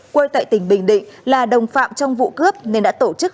quê tại tỉnh bình định là đồng phạm trong vụ cướp nên đã tổ chức